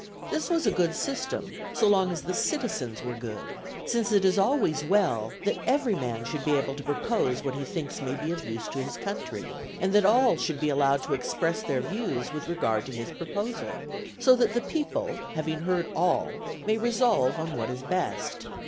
This was a good system so long as the citizens were good, since it is always well that every man should be able to propose what he thinks may be of use to his country, and that all should be allowed to express their views with regard to his proposal; so that the people, having heard all, may resolve on what is best.